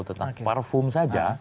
tentang parfum saja